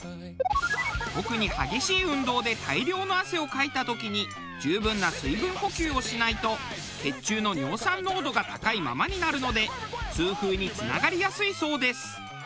特に激しい運動で大量の汗をかいた時に十分な水分補給をしないと血中の尿酸濃度が高いままになるので痛風につながりやすいそうです。